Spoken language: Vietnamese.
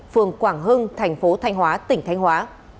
phường quảng hưng tp thanh hóa tỉnh thanh hóa